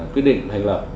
quyết định hành lập